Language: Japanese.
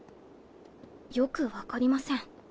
よく分かりません。